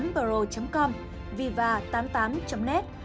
và giao dịch chuyển nhận tiền qua tài khoản ngân hàng